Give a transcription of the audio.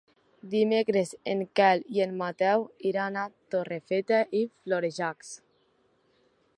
Dimecres en Quel i en Mateu iran a Torrefeta i Florejacs.